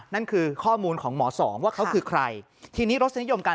นั่นคือข้อมูลของหมอสองว่าเขาคือใครทีนี้รสนิยมการ